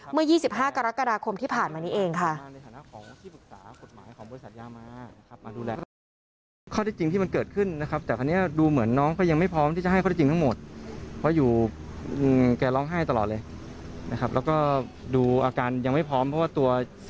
เมื่อ๒๕กรกฎาคมที่ผ่านมานี้เองค่ะ